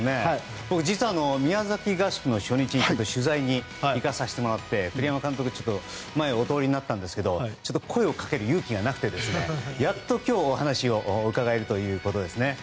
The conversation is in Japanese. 僕実は、宮崎合宿の初日に取材に行かさせてもらって栗山監督が前をお通りになったんですが声をかける勇気がなくてやっと今日お話を伺えるということですね。